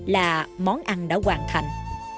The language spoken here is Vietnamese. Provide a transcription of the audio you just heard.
là món ăn đã hoàn thành